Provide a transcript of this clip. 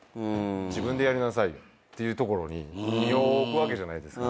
自分でやりなさいよっていうところに身を置くわけじゃないですか。